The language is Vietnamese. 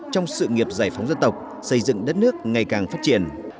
trong sự nghiệp giải phóng dân tộc xây dựng đất nước ngày càng phát triển